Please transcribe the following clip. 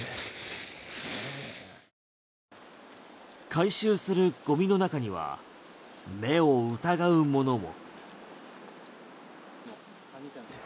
回収するゴミの中には目を疑うものも。